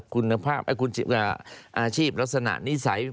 คุณภาพอาชีพลักษณะนิสัย